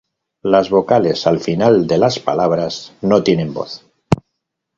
Las vocales al final de las palabras no tienen voz.